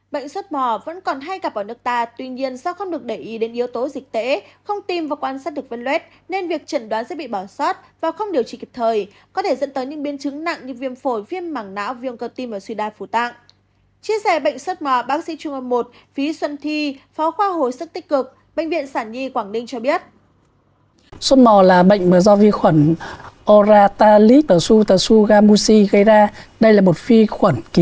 bệnh xuất mò vẫn còn hay gặp ở nước ta tuy nhiên do không được để ý đến yếu tố dịch tễ không tìm và quan sát được vết luet nên việc chẩn đoán sẽ bị bỏ sót và không điều trị kịp thời có thể dẫn tới những biên chứng nặng như viêm phổi viêm mảng não viêm cơ tim và suy đai phủ tạng